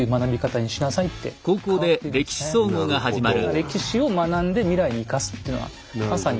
歴史を学んで未来に生かすっていうのはまさに。